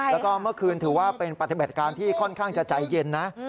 แล้วก็เมื่อคืนถือว่าเป็นปฏิบัติการที่ค่อนข้างจะใจเย็นนะ